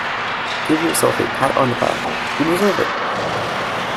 Give yourself a pat on the back, you deserve it.